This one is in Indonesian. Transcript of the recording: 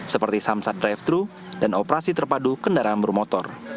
seperti samsat drive thru dan operasi terpadu kendaraan bermotor